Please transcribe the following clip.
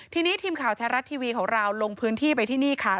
ทีนี้ทีมข่าวแท้รัฐทีวีของเราลงพื้นที่ไปที่นี่ค่ะ